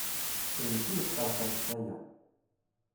D nekk i yetqelqen f aya.